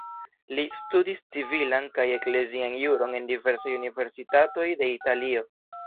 Li studis civilan kaj eklezian juron en diversaj universitatoj de Italio.